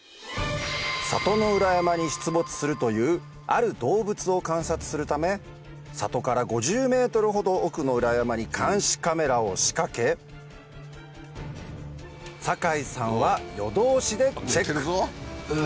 里の裏山に出没するというある動物を観察するため里から５０ｍほど奥の裏山に監視カメラを仕掛け酒井さんは夜通しでチェックう。